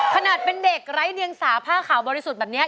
ขนาดเป็นเด็กไร้เดียงสาผ้าขาวบริสุทธิ์แบบนี้